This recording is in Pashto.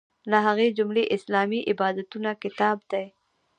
له هغې جملې اسلامي عبادتونه کتاب دی.